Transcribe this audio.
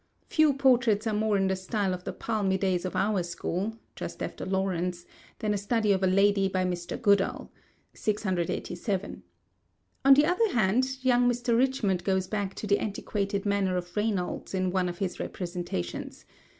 Few portraits are more in the style of the palmy days of our school (just after Lawrence) than a study of a lady by Mr. Goodall (687). On the other hand, young Mr. Richmond goes back to the antiquated manner of Reynolds in one of his representations.